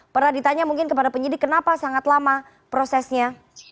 pernah ditanya mungkin kepada penyidik kenapa sangat lama prosesnya